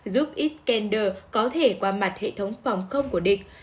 giúp ecander có thể qua mặt hệ thống phòng không của địch